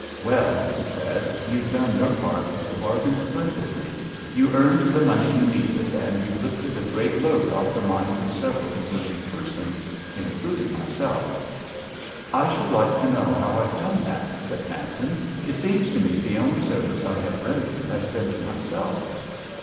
Well," he said, "you've done your part of the bargain splendidly. You earned the money you needed, and you've lifted a great load off the minds of several deserving persons, including myself." "I should like to know how I've done that," said Manton. "It seems to me the only service I have rendered has been to myself."